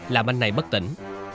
làm anh này bất tỉnh